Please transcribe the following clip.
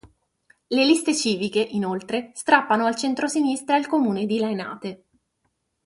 Le Liste Civiche, inoltre, strappano al Centro-sinistra il comune di Lainate.